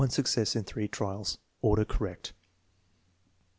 (1 success in 3 trials. Order correct.)